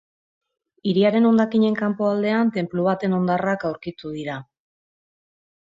Hiriaren hondakinen kanpoaldean, tenplu baten hondarrak aurkitu dira.